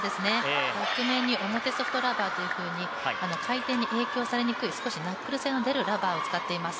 バック面に表ソフトラバーという回転に影響されにくい、少しナックル性の出るラバーを使っています。